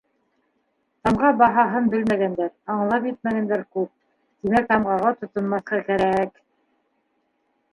Тамға баһаһын белмәгәндәр, аңлап етмәгәндәр күп, тимәк, тамғаға тотонмаҫҡа кәрәк...